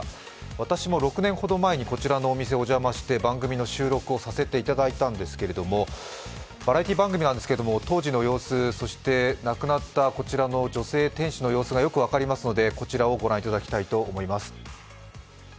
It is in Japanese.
私も６年ほど前にこちらのお店にお邪魔して番組の収録をさせていただいたんですけれどもバラエティー番組なんですけど当時の様子、亡くなったこちらの女性店主の様子がよく分かりますのでこちらをご覧いただきたいと思います。